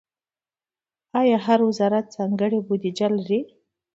آیا هر وزارت ځانګړې بودیجه لري؟